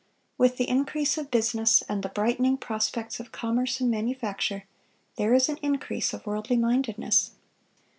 With the increase of business, and the brightening prospects of commerce and manufacture, there is an increase of worldly mindedness.